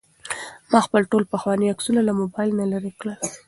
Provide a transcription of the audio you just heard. ما خپل ټول پخواني عکسونه له موبایل نه لرې کړل.